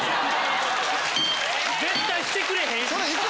絶対してくれへんし。